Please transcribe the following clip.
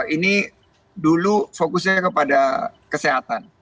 ini dulu fokusnya kepada kesehatan